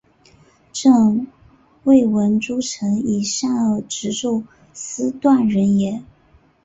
朕未闻诸臣以善恶直奏斯断人也！